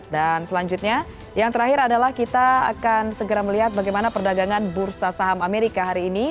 dan selanjutnya yang terakhir adalah kita akan segera melihat bagaimana perdagangan bursa saham amerika hari ini